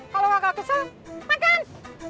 kalau gak kesal makan